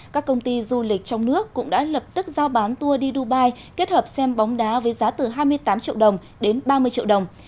các công ty du lịch trong nước cũng đã lập tức giao bán tour đi dubai kết hợp xem bóng đá với giá từ hai mươi tám triệu đồng đến ba mươi triệu đồng